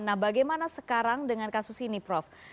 nah bagaimana sekarang dengan kasus ini prof